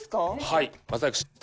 はい。